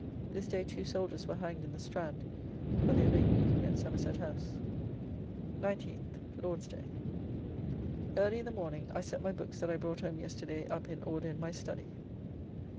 This day two soldiers were hanged in the Strand for their late mutiny at Somerset house. 19th (Lord's day). Early in the morning I set my books that I brought home yesterday up in order in my study.